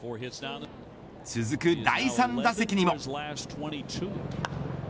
続く第３打席にも。